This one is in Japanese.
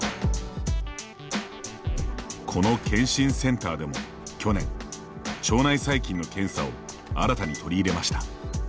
この検診センターでも去年腸内細菌の検査を新たに取り入れました。